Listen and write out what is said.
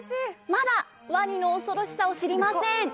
まだワニの恐ろしさを知りません。